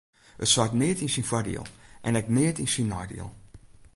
It seit neat yn syn foardiel en ek net yn syn neidiel.